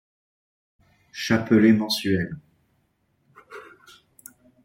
Chapelet mensuel.